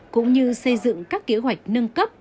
cũng như xây dựng các kế hoạch nâng cấp